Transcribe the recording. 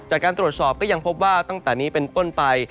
จากการตรวจสอบก็ยังพบว่าตั้งแต่นี้เป็นต้นไป